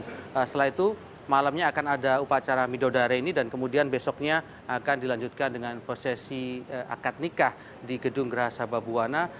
setelah itu malamnya akan ada upacara midodare ini dan kemudian besoknya akan dilanjutkan dengan prosesi akad nikah di gedung geraha sababwana